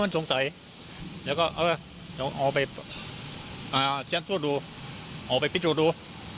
มันสงสัยแล้วก็เออเออเอาไปอ่าเซ็นซูดดูเอาไปพิจูดดู